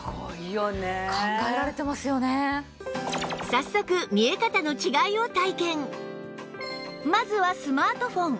早速まずはスマートフォン